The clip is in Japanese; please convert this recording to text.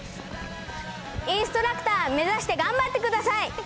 インストラクター目指して頑張ってください。